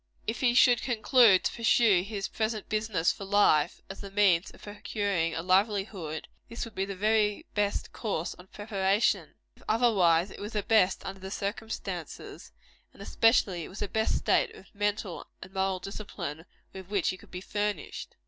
If he should conclude to pursue his present business for life, as the means of procuring a livelihood, this would be the very best course of preparation: if otherwise, it was the best under the circumstances; and especially was it the best state of mental and moral discipline with which he could be furnished.